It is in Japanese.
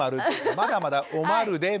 まだまだおまるで○。